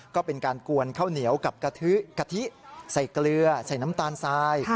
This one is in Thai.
ก็เป็นการกวนข้าวเหนียวกับกะทิกะทิใส่เกลือใส่น้ำตาลทราย